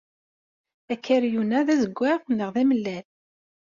Akeryun-a d azewwaɣ neɣ d amellal?